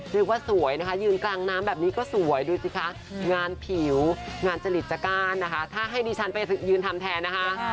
เรียกว่าสวยนะคะยืนกลางน้ำแบบนี้ก็สวยดูสิคะงานผิวงานจริตจากการนะคะถ้าให้ดิฉันไปยืนทำแทนนะคะ